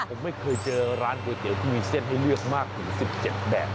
ผมไม่เคยเจอร้านก๋วยเตี๋ยวที่มีเส้นให้เลือกมากถึง๑๗แบบ